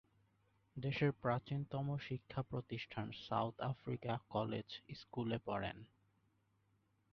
দেশের প্রাচীনতম শিক্ষা প্রতিষ্ঠান সাউথ আফ্রিকা কলেজ স্কুলে পড়েন।